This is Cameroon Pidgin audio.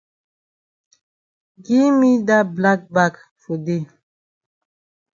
Gi me dat black bag for dey.